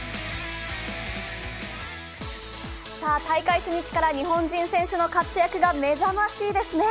大会初日から日本人選手の活躍が目覚ましいですね。